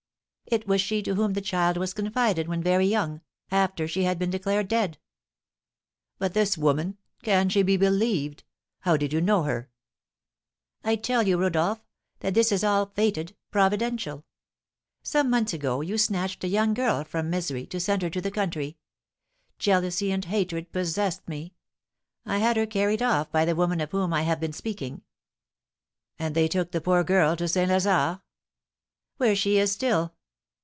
"It was she to whom the child was confided when very young, after she had been declared dead." "But this woman? Can she be believed? How did you know her?" "I tell you, Rodolph, that this is all fated providential! Some months ago you snatched a young girl from misery, to send her to the country. Jealousy and hatred possessed me. I had her carried off by the woman of whom I have been speaking." "And they took the poor girl to St. Lazare?" "Where she is still."